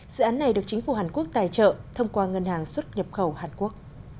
dự án này được chính phủ hàn quốc tài trợ thông qua ngân hàng xuất nhập khẩu hàn quốc